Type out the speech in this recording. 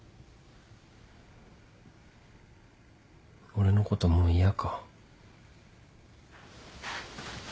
俺のこともう嫌か。